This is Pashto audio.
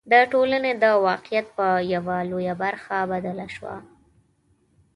د ټولنې د واقعیت په یوه لویه برخه بدله شوه.